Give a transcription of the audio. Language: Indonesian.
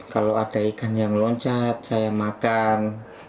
kalau ada ikan yang loncat saya makan